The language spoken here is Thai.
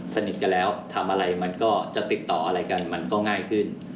สนิทกันแล้วทำอะไรมันก็จะติดต่ออะไรกันมันก็ง่ายขึ้น